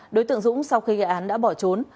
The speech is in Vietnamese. đối tượng dũng sau khi gây án đã bỏ trốn